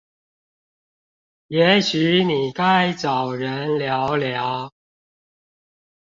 也許你該找人聊聊